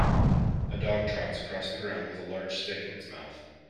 A dog trots across the ground with a large stick in his mouth.